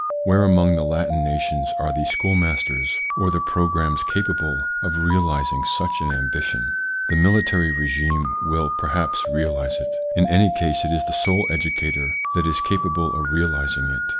Where among the Latin nations are the schoolmasters or the pro grammes capable of realising such an ambition ? The military regime will perhaps realise it. In any case it is the sole educator that is capable of realising it.